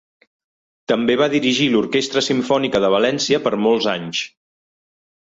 També va dirigir l'Orquestra Simfònica de València per molts anys.